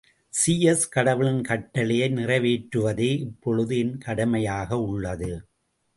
Zeus கடவுளின் கட்டளையை நிறைவேற்றுவதே இப்பொழுது என் கடமையாயுள்ளது!